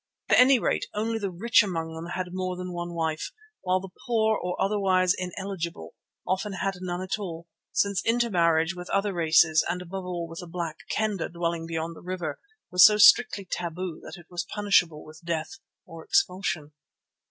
At any rate only the rich among them had more than one wife, while the poor or otherwise ineligible often had none at all, since inter marriage with other races and above all with the Black Kendah dwelling beyond the river was so strictly taboo that it was punishable with death or expulsion.